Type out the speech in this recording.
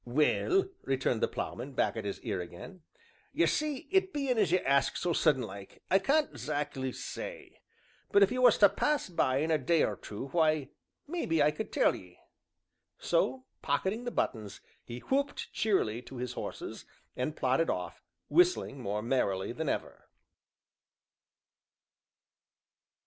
"Well," returned the Ploughman, back at his ear again, "ye see it bein' as you ask so sudden like, I can't 'zack'ly say, but if you was to pass by in a day or two, why, maybe I could tell ye." So, pocketing the buttons, he whooped cheerily to his horses, and plodded off, whistling more merrily than ever.